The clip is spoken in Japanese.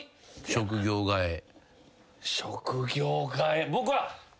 職業替え僕は。